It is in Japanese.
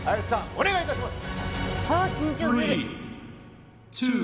お願いいたします